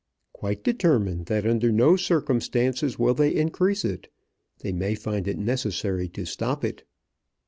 "Quite determined that under no circumstances will they increase it. They may find it necessary to stop it."